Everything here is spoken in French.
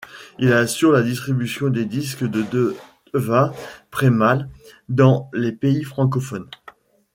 Il assure la distribution des disques de Deva Premal dans les pays francophones.